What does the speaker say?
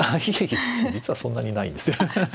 いえいえ実はそんなにないんですよね。